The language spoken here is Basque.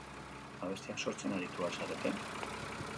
Abestiak sortzen aritu al zarete?